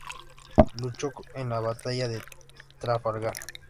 Luchó en la batalla de Trafalgar.